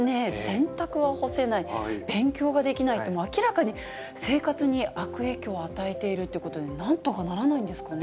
洗濯は干せない、勉強はできないって、明らかに生活に悪影響を与えているっていうことで、なんとかならないんですかね。